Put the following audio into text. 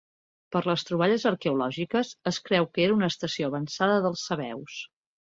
Per les troballes arqueològiques es creu que era una estació avançada dels sabeus.